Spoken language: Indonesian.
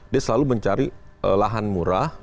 dia selalu mencari lahan murah